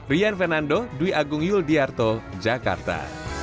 rian fernando dwi agung yul diarto jakarta